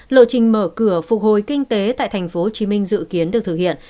lộ trình mở cửa phục hồi kinh tế tại tp hcm dự kiến được thực hiện